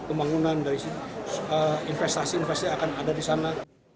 pembangunan dari investasi investasi yang akan ada di sana